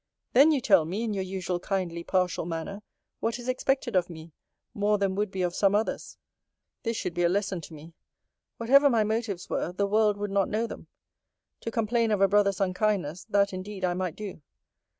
Then you tell me, in your usual kindly partial manner, what is expected of me, more than would be of some others. This should be a lesson to me. What ever my motives were, the world would not know them. To complain of a brother's unkindness, that, indeed, I might do.